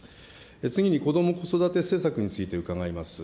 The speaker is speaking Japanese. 次にこども・子育て政策について伺います。